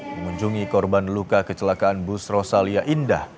mengunjungi korban luka kecelakaan bus rosalia indah